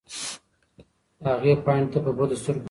هغې پاڼې ته په بدو سترګو کتل.